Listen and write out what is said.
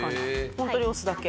ホントに押すだけ。